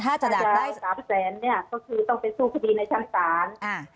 ถ้าจะหลัก๓๐๐๐๐๐ก็คือต้องไปสู้คดีในชั้นสาร